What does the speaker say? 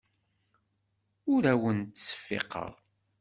Ur awen-ttseffiqeɣ.